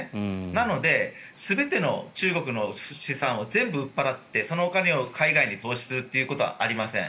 なので、全ての中国の資産を全部売り払ってそのお金を海外に投資するということはありません。